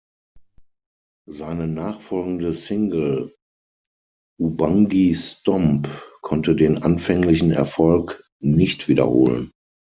Seine nachfolgende Single "Ubangi Stomp" konnte den anfänglichen Erfolg nicht wiederholen.